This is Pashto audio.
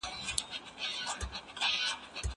زه له سهاره کتابتوننۍ سره وخت تېرووم!.